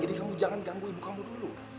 jadi jangan ganggu ibu kamu dulu